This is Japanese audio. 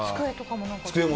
机とかも。